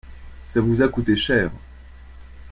ça vous a coûté cher.